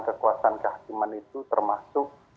kekuasaan kehakiman itu termasuk